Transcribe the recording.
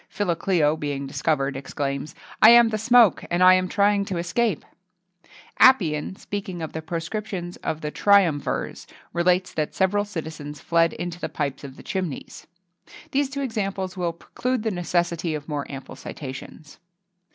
Philocleo, being discovered, exclaims, "I am the smoke, and I am trying to escape."[XXII 56] Appian, speaking of the proscriptions of the triumvirs, relates that several citizens fled into the pipes of the chimneys.[XXII 57] These two examples will preclude the necessity of more ample citations.